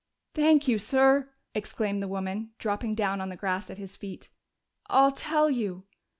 "Thank you, sir!" exclaimed the woman, dropping down on the grass at his feet. "I'll tell you....